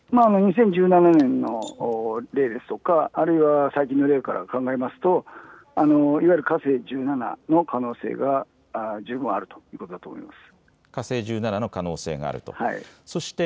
２０１７年の例ですとかあるいは最近の例から考えますといわゆる火星１７の可能性が十分あるということです。